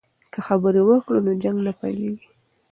که خبرې وکړو نو جنګ نه پیلیږي.